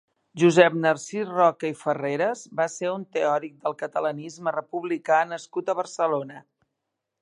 Josep Narcís Roca i Farreras va ser un teòric del catalanisme republicà nascut a Barcelona.